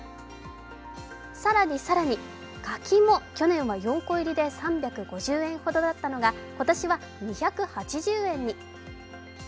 更に更に柿も去年は４個入りで３５０円ほどだったのが今年は２８０円に。